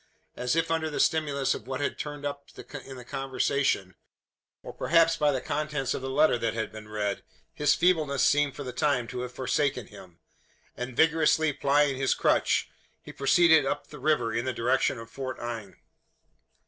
As if under the stimulus of what had turned up in the conversation or perhaps by the contents of the letter that had been read his feebleness seemed for the time to have forsaken him; and, vigorously plying his crutch, he proceeded up the river in the direction of Fort Inge.